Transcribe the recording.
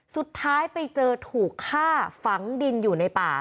สุดท้ายไปเจอถูกฆ่าฝังดินอยู่ในป่า